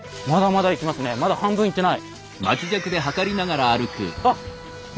まだ半分いってない。